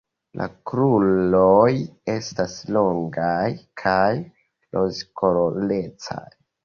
La kruroj estas longaj kaj rozkolorecaj.